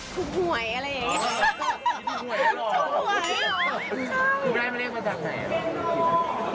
ถูกหวยอะไรเนี่ย